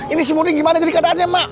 ini si murni gimana jadi keadaannya mak